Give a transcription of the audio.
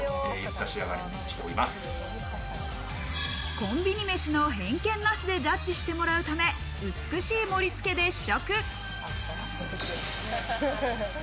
コンビニ飯の偏見なしでジャッジしてもらうため、美しい盛り付けで試食。